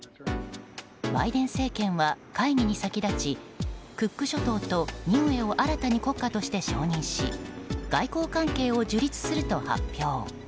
バイデン政権は会議に先立ちクック諸島とニウエを新たに国家として承認し外交関係を樹立すると発表。